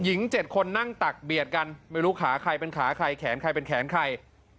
๗คนนั่งตักเบียดกันไม่รู้ขาใครเป็นขาใครแขนใครเป็นแขนใคร